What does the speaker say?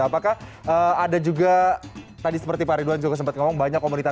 apakah ada juga tadi seperti pak ridwan juga sempat ngomong banyak komunitas